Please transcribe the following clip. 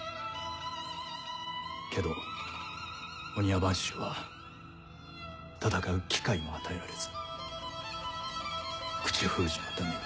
けど御庭番衆は戦う機会も与えられず口封じのために。